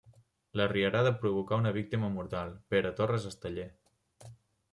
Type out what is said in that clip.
La rierada provocà una víctima mortal, Pere Torres Esteller.